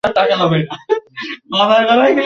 সিনেটে তিনি এক মেয়াদে সভাপতির দায়িত্বও পালন করেন।